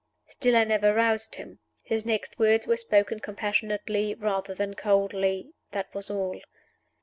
Still I never roused him. His next words were spoken compassionately rather than coldly that was all.